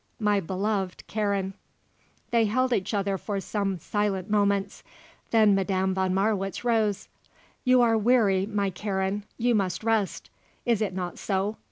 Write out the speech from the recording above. My beloved Karen!" They held each other for some silent moments. Then Madame von Marwitz rose. "You are weary, my Karen; you must rest; is it not so?